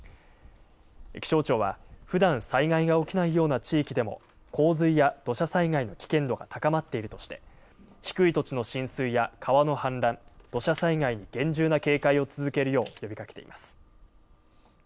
気象庁はふだん災害が起きないような地域でも洪水や土砂災害の危険度が高まっているとして低い土地の浸水や川の氾濫、土砂災害に厳重な警戒を続けるよう呼びかけています。